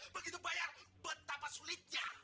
begitu bayar betapa sulitnya